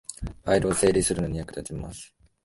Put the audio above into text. ファイルを整理するのに役立ちます